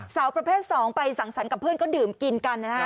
สาวประเภท๒ไปสั่งสรรค์กับเพื่อนก็ดื่มกินกันนะฮะ